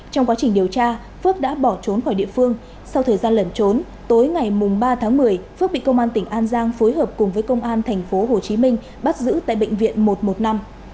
trong quá trình điều tra phước đã bỏ trốn khỏi địa phương sau thời gian lẩn trốn tối ngày ba tháng một mươi phước bị công an tỉnh an giang phối hợp cùng với công an tp hcm bắt giữ tại bệnh viện một trăm một mươi năm